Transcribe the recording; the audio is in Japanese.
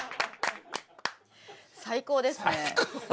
最高ですね。